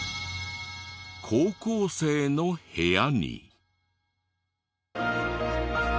高校生の部屋に。